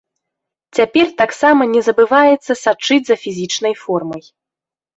Цяпер таксама не забываецца сачыць за фізічнай формай.